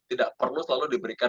tidak perlu selalu diberikan